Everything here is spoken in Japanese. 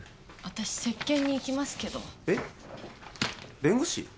私接見に行きますけどえっ弁護士？